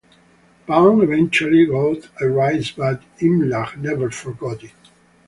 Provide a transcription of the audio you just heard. Baun eventually got a raise, but Imlach never forgot it.